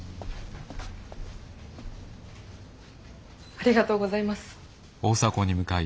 ありがとうございます。